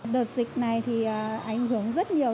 đợt dịch này thì ảnh hưởng rất nhiều